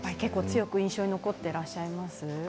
強く印象に残ってらっしゃいます？